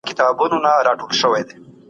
څوک د طبیعي زیرمو ساتنه کوي؟